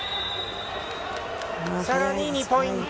さらに２ポイント。